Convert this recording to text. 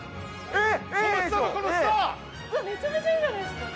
えっ！